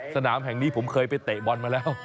สนามแห่งนี้ผมเคยไปเตะบอลมาแล้ว